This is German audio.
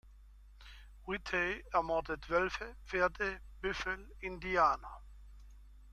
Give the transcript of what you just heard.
Whitey ermordet Wölfe, Pferde, Büffel, Indianer.